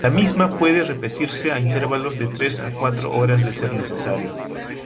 La misma puede repetirse a intervalos de tres a cuatro horas de ser necesario.